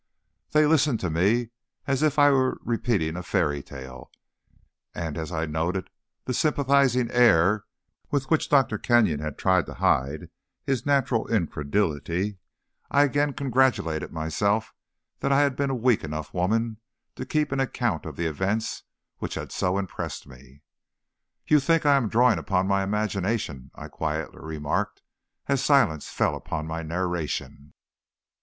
They listened to me as if I were repeating a fairy tale, and as I noted the sympathizing air with which Dr. Kenyon tried to hide his natural incredulity, I again congratulated myself that I had been a weak enough woman to keep an account of the events which had so impressed me. "You think I am drawing upon my imagination," I quietly remarked, as silence fell upon my narration.